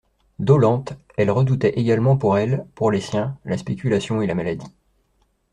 Dolente, elle redoutait également pour elle, pour les siens, la spéculation et la maladie.